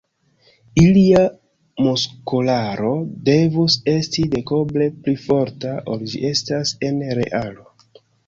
Ilia muskolaro devus esti dekoble pli forta, ol ĝi estas en realo.